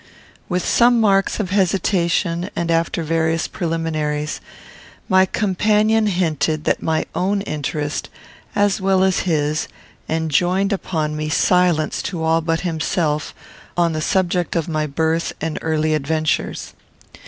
With some marks of hesitation and after various preliminaries, my companion hinted that my own interest, as well as his, enjoined upon me silence to all but himself, on the subject of my birth and early adventures.